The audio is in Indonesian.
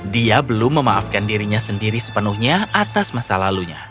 dia belum memaafkan dirinya sendiri sepenuhnya atas masa lalunya